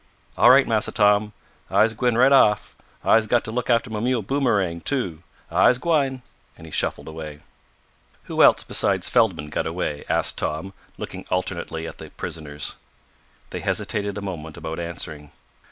"All right, Massa Tom. I'se gwine right off. I'se got t' look after mah mule, Boomerang, too. I'se gwine," and he shuffled away. "Who else besides Feldman got away?" asked Tom, looking alternately at the prisoners. They hesitated a moment about answering.